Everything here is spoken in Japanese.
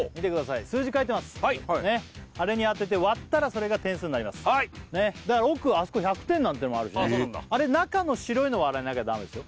あれに当てて割ったらそれが点数になりますだから奥あそこ１００点なんてのもあるしねあれ中の白いの割らなきゃダメですよ